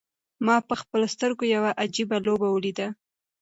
ما په خپلو سترګو یوه عجیبه لوبه ولیده.